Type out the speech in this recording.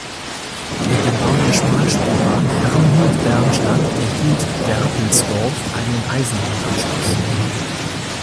Mit dem Bau der Schmalspurbahn Herrnhut-Bernstadt erhielt Berthelsdorf einen Eisenbahnanschluss.